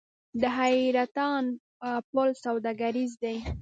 د حیرتان پل سوداګریز دی